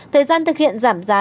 thời gian thực hiện giảm giá